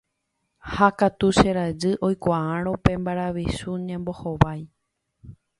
Ha katu che rajy oikuaárõ pe maravichu ñembohovái.